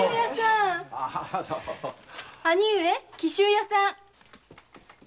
兄上紀州屋さん。